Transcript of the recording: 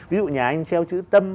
ví dụ nhà anh treo chữ tâm